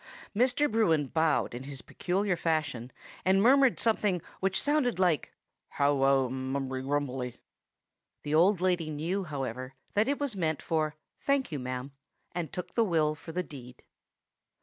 Mr. Bruin bowed in his peculiar fashion, and murmured something which sounded like "How wow mumberygrubble." The old lady knew, however, that it was meant for "Thank you, ma'am," and took the will for the deed.